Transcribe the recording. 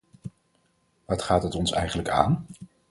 Wat gaat het ons eigenlijk aan?